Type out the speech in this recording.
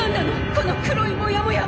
この黒いモヤモヤ！